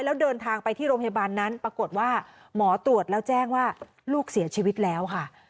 แล้วเดินทางไปที่โรงพยาบาลนั้นปรากฏว่าหมอตรวจแล้วแจ้งว่าลูกเสียชีวิตแล้วค่ะ